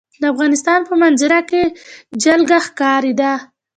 د افغانستان په منظره کې جلګه ښکاره ده.